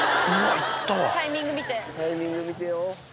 タイミング見てよ。